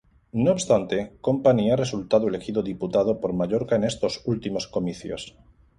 No obstante, Company ha resultado elegido diputado por Mallorca en estos últimos comicios.